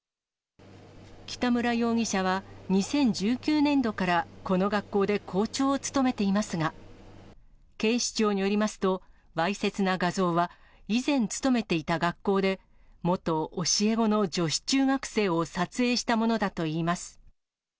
北村容疑者は２０１９年度からこの学校で校長を務めていますが、警視庁によりますと、わいせつな画像は、以前勤めていた学校で、元教え子の女子中学生を撮影したものだといいます。